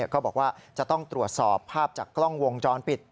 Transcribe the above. ก็บอกว่าจะต้องตรวจสอบภาพจากกล้องวงจรปิด